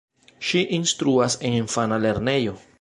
Ŝi instruas en infana lernejo.